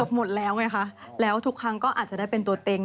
หมดแล้วไงคะแล้วทุกครั้งก็อาจจะได้เป็นตัวเต็ง